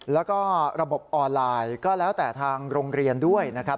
แล้วก็ระบบออนไลน์ก็แล้วแต่ทางโรงเรียนด้วยนะครับ